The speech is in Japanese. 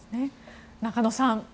中野さん